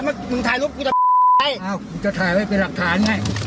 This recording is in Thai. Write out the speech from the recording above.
ลงมามึงถ่ายลูกกูทำไมถ่ายไว้ไปหลักถ่อน